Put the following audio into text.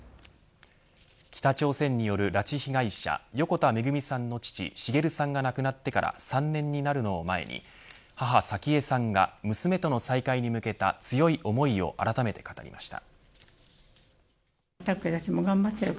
北朝鮮による拉致被害者横田めぐみさんの父滋さんが亡くなってから３年になるのを前に母、早紀江さんが娘との再会に向けた強い思いをあらためて語りました。